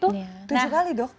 tujuh kali dok